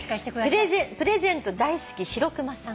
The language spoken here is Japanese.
プレゼント大好きしろくまさん。